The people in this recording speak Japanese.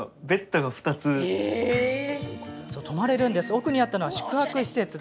奥にあったのは宿泊施設。